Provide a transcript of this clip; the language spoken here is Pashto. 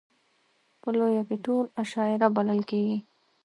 په لویه کې ټول اشاعره بلل کېږي.